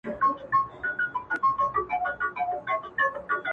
• زموږ په سیوري کي جامونه کړنګېدلای ,